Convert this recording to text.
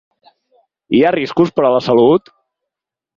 Hi ha riscos per a la salut?